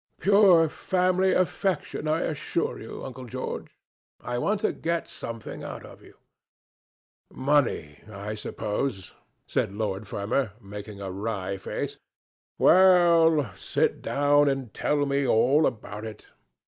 "Pure family affection, I assure you, Uncle George. I want to get something out of you." "Money, I suppose," said Lord Fermor, making a wry face. "Well, sit down and tell me all about it.